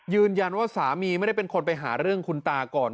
ยืนยันว่าสามีไม่ได้เป็นคนไปหาเรื่องคุณตาก่อน